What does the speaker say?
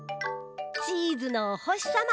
チーズのおほしさま。